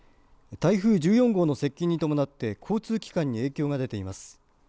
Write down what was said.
台風１４号の接近に伴って交通機関に影響が出ています。